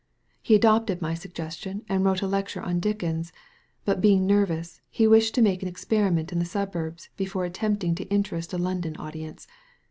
He adopted my suggestion and wrote a lecture on Dickens ; but being nervous, he wished to make an experiment in the suburbs, before attempting to interest a London audience.